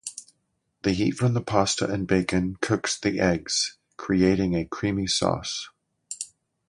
The heat from the pasta and bacon cooks the eggs, creating a creamy sauce.